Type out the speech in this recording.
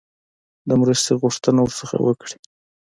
د مرستې غوښتنه ورڅخه وکړي.